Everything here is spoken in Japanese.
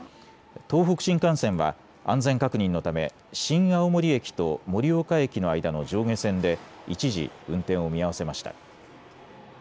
東北新幹線は安全確認のため新青森駅と盛岡駅の間の上下線で一時、運転を見合わせました。